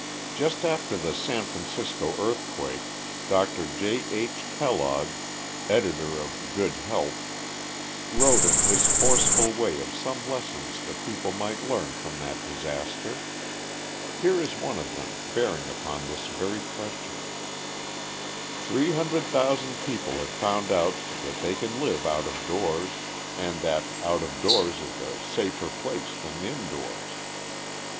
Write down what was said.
Just after the San Francisco earthquake, Dr. J. H. Kellogg, editor of Good Health, wrote in his forceful way of some lessons the people might learn from that disaster. Here is one of them bearing upon this very question: [Illustration: MONO INDIAN COOKING CORN MUSH IN A BASKET BY A CAMP FIRE.] "Three hundred thousand people have found out that they can live out of doors, and that out of doors is a safer place than indoors.